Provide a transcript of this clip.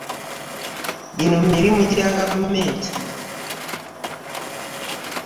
Gino mirimu gya gavumenti.